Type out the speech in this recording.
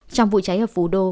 trong vụ cháy ở phú đô